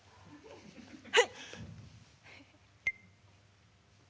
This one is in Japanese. はい。